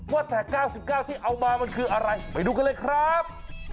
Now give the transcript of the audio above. ว่าแต่๙๙ที่เอามามันคืออะไรไปดูกันเลยครับ